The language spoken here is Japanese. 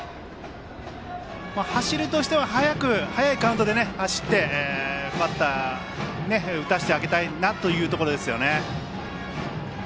走りとしては早いカウントで走ってバッターに打たせてあげたいところですよね。